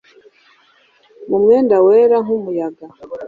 Mu mwenda wera nkumuyaga